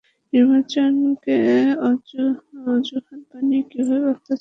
নির্বাচনকে অযুহাত বানিয়ে কীভাবে অত্যাচার করে এরা?